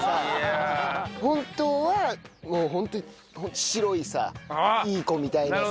本当はもう本当に白いさいい子みたいなさ。